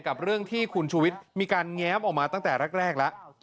กับเรื่องที่คุณชูวิทย์มีการแง้มออกมาตั้งแต่แรกแล้ว